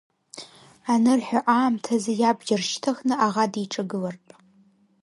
Анырҳәо аамҭазы иабџьар шьҭыхны аӷа диҿагылартә.